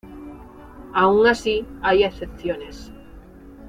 Aun así, hay excepciones.